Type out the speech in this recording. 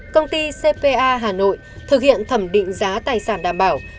công ty cpa hà nội thực hiện thẩm định giá tài sản đảm bảo